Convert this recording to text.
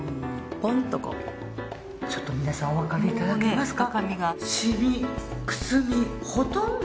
ちょっと皆さんおわかりいただけますか？